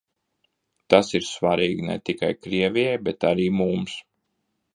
Tas ir svarīgi ne tikai Krievijai, bet arī mums.